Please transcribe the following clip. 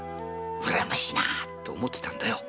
“うらやましいなあ”って思ってたんだよ。